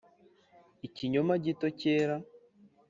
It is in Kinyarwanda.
ikinyoma gito cyera